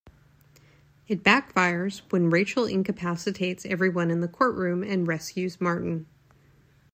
It backfires when Rachel incapacitates everyone in the courtroom and rescues Martin.